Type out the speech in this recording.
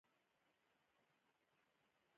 دوی هم په پای کې یو په یو تسلیم شول.